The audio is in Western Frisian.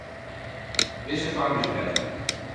Dizze foarm is better.